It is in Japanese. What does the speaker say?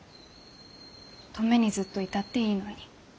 登米にずっといたっていいのに。